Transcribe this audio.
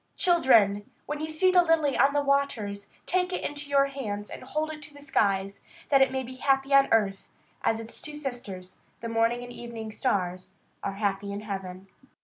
Children! when you see the lily on the waters, take it in your hands and hold it to the skies, that it may be happy on earth, as its two sisters, the morning and evening stars, are happy in heaven.